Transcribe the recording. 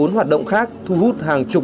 bốn hoạt động khác thu hút hàng chục